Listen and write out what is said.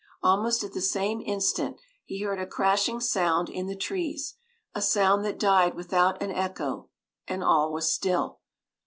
Almost at the same instant he heard a crashing sound in the trees a sound that died without an echo and all was still.